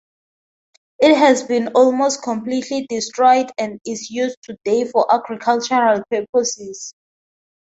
It has been almost completely destroyed and is used today for agricultural purposes.